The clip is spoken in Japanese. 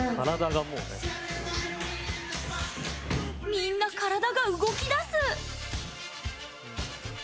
みんな、体が動き出す！